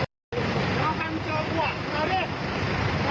น้ำมันเจอกว่าเสร็จดิ